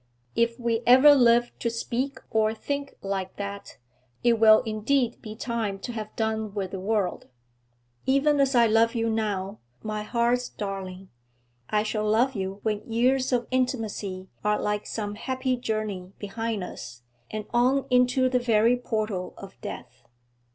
If we ever live to speak or think like that, it will indeed be time to have done with the world. Even as I love you now, my heart's darling, I shall love you when years of intimacy are like some happy journey behind us, and on into the very portal of death.